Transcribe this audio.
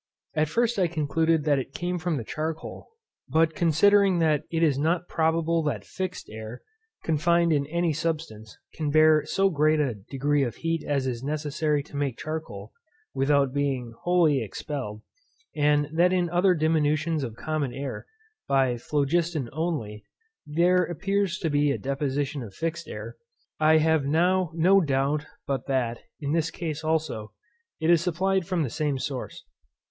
At first I concluded that it came from the charcoal; but considering that it is not probable that fixed air, confined in any substance, can bear so great a degree of heat as is necessary to make charcoal, without being wholly expelled; and that in other diminutions of common air, by phlogiston only, there appears to be a deposition of fixed air, I have now no doubt but that, in this case also, it is supplied from the same source.